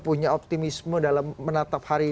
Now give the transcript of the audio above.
punya optimisme dalam menatap hari dua ribu dua puluh